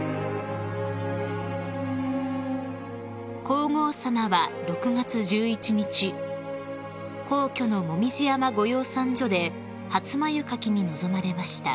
［皇后さまは６月１１日皇居の紅葉山御養蚕所で初繭掻きに臨まれました］